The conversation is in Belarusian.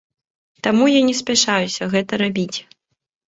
Таму я не спяшаюся гэта рабіць.